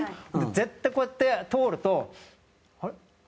絶対、こうやって通るとあれ？